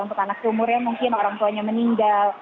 untuk anak umurnya mungkin orang tuanya meninggal